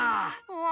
わ。